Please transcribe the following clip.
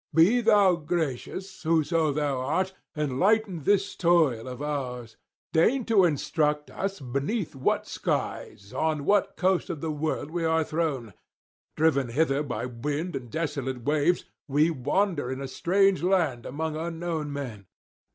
Be thou gracious, whoso thou art, and lighten this toil of ours; deign to instruct us beneath what skies, on what coast of the world, we are thrown. Driven hither by wind and desolate waves, we wander in a strange land among unknown men.